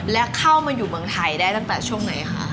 และเข้ามาอยู่เมืองไทยได้ตั้งแต่ช่วงไหนคะ